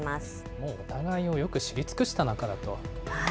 もうお互いをよく知り尽くした仲だと。